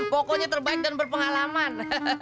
pokoknya terbaik dan berpengalaman